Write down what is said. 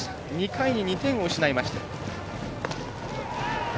２回に２点を失いました。